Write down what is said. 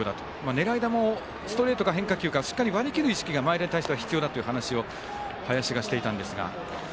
狙い球をストレートか変化球かしっかり割り切る意識が前田に対しては必要だという話を林がしていたんですが。